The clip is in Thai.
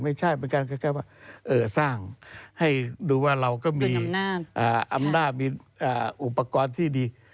ไม่ใช่เหมือนกันคล้ายว่าสร้างให้ดูว่าเราก็มีอำนาจมีอุปกรณ์ที่ดี